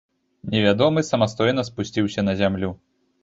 Невядомы самастойна спусціўся на зямлю.